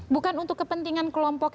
bukan untuk kepentingan kelompok